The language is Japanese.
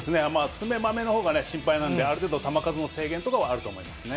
爪、まめのほうが心配なんで、ある程度、球数の制限とかはあると思いますね。